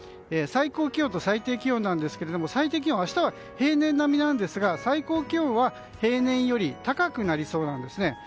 最高気温と最低気温なんですが最低気温明日は平年並みなんですが最高気温は平年より高くなりそうなんですね。